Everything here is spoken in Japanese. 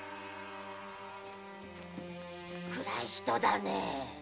暗い人だねえ。